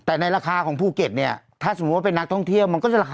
แต่ในราคาของภูเก็ตเนี่ย